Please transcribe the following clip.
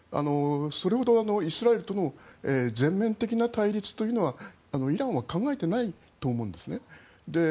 それほどイスラエルとの全面的な対立というのはイランは考えていないと思うんですね。